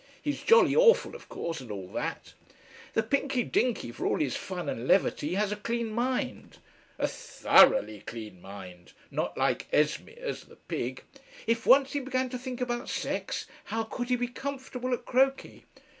He's jolly Awful of course and all that " "The Pinky Dinky for all his fun and levity has a clean mind." "A thoroughly clean mind. Not like Esmeer's the Pig!" "If once he began to think about sex, how could he be comfortable at croquet?"